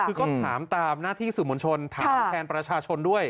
คือก็ถามตามหน้าที่สื่อมวลชนถามแทนประชาชนด้วย